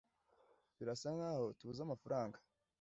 birasa nkaho tubuze amafaranga